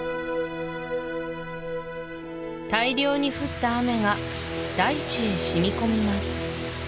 大量に降った雨が大地へしみ込みます